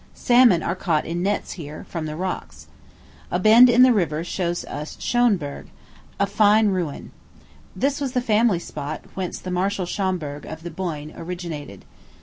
Salmon are caught in nets here, from the rocks. A bend in the river shows us Schonberg, a fine ruin. This was the family spot whence the Marshal Schomberg, of the Boyne, originated.